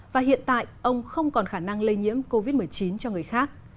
và hiện tại ông không còn khả năng lây nhiễm covid một mươi chín cho người khác